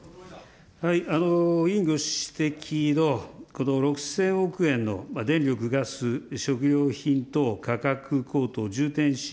委員ご指摘のこの６０００億円の電力・ガス・食料品等価格高騰重点支援